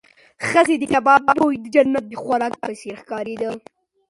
ښځې ته د کباب بوی د جنت د خوراک په څېر ښکارېده.